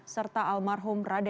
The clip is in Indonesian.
serta almarhum raden